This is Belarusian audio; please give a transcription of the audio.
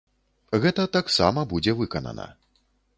Гэта таксама будзе выканана.